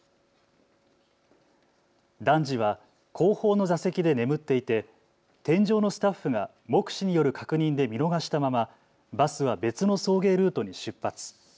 男児は後方の座席で眠っていて添乗のスタッフが目視による確認で見逃したままバスは別の送迎ルートに出発。